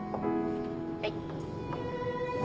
はい。